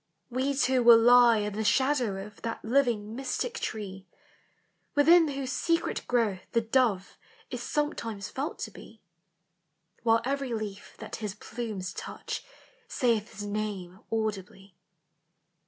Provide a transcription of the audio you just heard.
K We two will lie i* the shadow That living mystic tr< Within who I growth the I' 1 91 onetimes felt to b . W .... l^af that His plumes touch Saith His Name audibly.